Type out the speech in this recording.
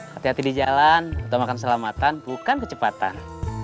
hati hati di jalan untuk makan selamatan bukan kecepatan